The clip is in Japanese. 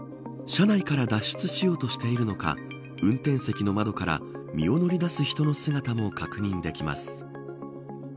車内から脱出しようとしているのか運転席の窓から身を乗り出す人の姿も確認できます。